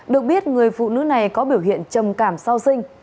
được biết người phụ nữ này có biểu hiện trầm cảm sau sinh